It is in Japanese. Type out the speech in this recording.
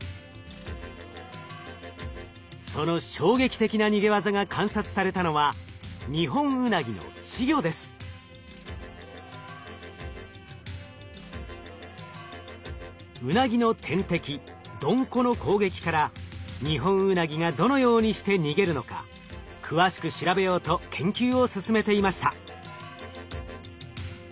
その衝撃的な逃げ技が観察されたのはウナギの天敵ドンコの攻撃からニホンウナギがどのようにして逃げるのか詳しく調べようと研究を進めていました。